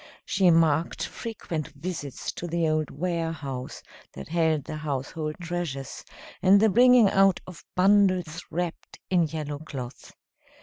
She marked frequent visits to the old warehouse that held the household treasures, and the bringing out of bundles wrapped in yellow cloth.